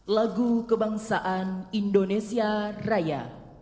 lagu kebangsaan indonesia raya